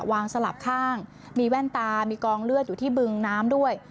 สลับข้างมีแว่นตามีกองเลือดอยู่ที่บึงน้ำด้วย